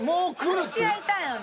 話し合いたいのに。